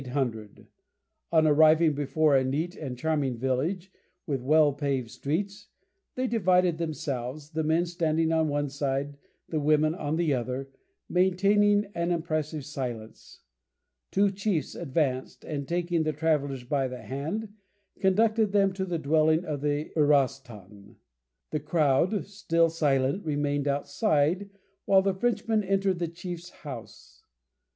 On arriving before a neat and charming village, with well paved streets, they divided themselves, the men standing on one side, the women on the other, maintaining an impressive silence. Two chiefs advanced, and taking the travellers by the hand, conducted them to the dwelling of the "Uross ton." The crowd, still silent, remained outside while the Frenchmen entered the chief's house.